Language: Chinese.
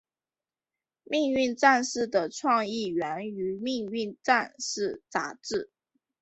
命运战士的创意源于命运战士杂志。